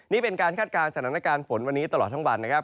นี่เป็นการคาดการณ์สถานการณ์ฝนวันนี้ตลอดทั้งวันนะครับ